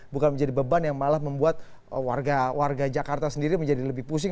bukan menjadi beban yang malah membuat warga jakarta sendiri menjadi lebih pusing